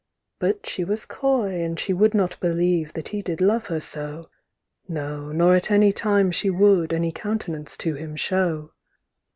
'IIBut she was coy, and she would not believeThat he did love her so, No, nor at any time she wouldAny countenance to him show.